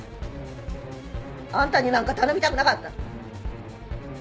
あんたになんか頼みたくなかった